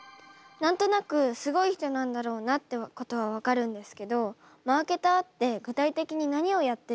何となくすごい人なんだろうなってことは分かるんですけどマーケターって具体的に何をやってる人なんですか？